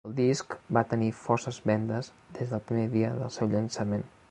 El disc va tenir força vendes des del primer dia del seu llançament.